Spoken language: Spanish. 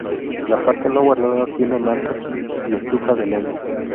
La parte no guardada tiene mantas y estufa de leña.